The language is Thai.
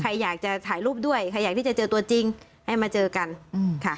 ใครอยากจะถ่ายรูปด้วยใครอยากที่จะเจอตัวจริงให้มาเจอกันอืมค่ะ